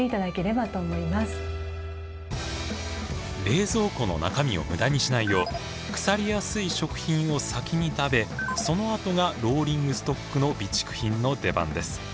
冷蔵庫の中身を無駄にしないよう腐りやすい食品を先に食べそのあとがローリングストックの備蓄品の出番です。